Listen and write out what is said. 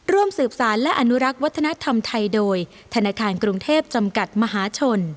ร่วมสืบสารและอนุรักษ์วัฒนธรรมไทยโดยธนาคารกรุงเทพจำกัดมหาชน